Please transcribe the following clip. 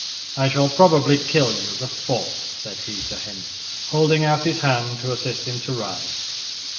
"I shall probably kill you the fourth," said he to him, holding out his hand to assist him to rise.